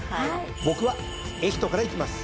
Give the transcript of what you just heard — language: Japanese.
僕はエヒトからいきます。